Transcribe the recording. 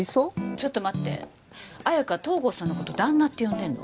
ちょっと待って綾華東郷さんのこと旦那って呼んでんの？